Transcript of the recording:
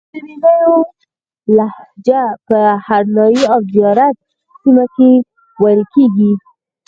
ترینو لهجه په هرنایي او زیارت سیمه کښې ویل کیږي